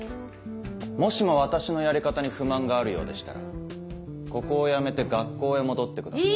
もしも私のやり方に不満があるようでしたらここを辞めて学校へ戻ってください。